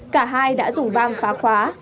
cả hai đã dùng vang phá khóa